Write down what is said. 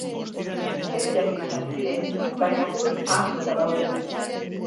Heroiak izan ziren, baina egun ahaztuta daude.